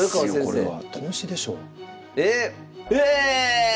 これは。